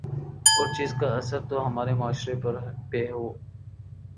اور چیز کا اثر تو ہمارے معاشرے پہ ہو